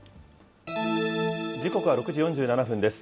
時刻は６時４７分です。